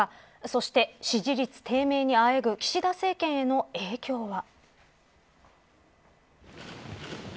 そして支持率低迷にあえぐ岸田政権への影響は。